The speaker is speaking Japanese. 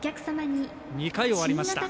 ２回終わりました。